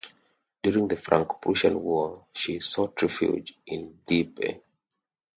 During the Franco-Prussian War she sought refuge in Dieppe.